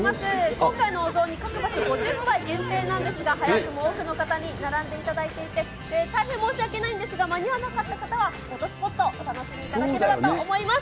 今回のお雑煮、各場所５０杯限定なんですが、早くも多くの方に並んでいただいていて、大変申し訳ないんですが、間に合わなかった方は、フォトスポット、お楽しみいただければと思います。